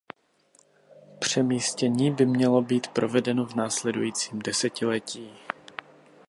Přemístění by mělo být provedeno v následujícím desetiletí.